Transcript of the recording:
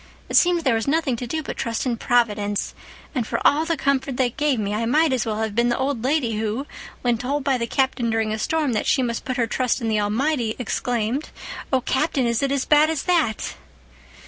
It seemed there was nothing to do but trust in Providence, and for all the comfort that gave me I might as well have been the old lady who, when told by the captain during a storm that she must put her trust in the Almighty exclaimed, 'Oh, Captain, is it as bad as that?